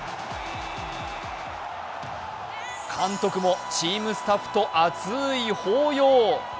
監督もチームスタッフと熱い抱擁。